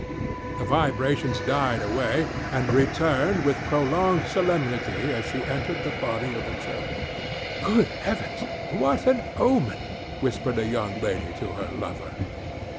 The vibrations died away, and returned with prolonged solemnity as she entered the body of the church. "Good heavens! What an omen!" whispered a young lady to her lover.